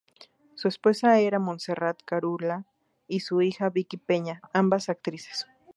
Su esposa era Montserrat Carulla, y su hija, Vicky Peña, ambas actrices.